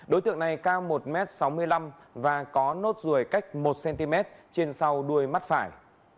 đối tượng này cao một m sáu mươi năm và có nốt ruồi cách một cm trên sau đuôi mắt phải